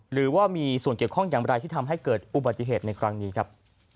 หรือว่ามีส่วนเกี่ยวข้องอย่างไรที่ทำให้เกิดอุบัติเหตุในครั้งนี้ครับ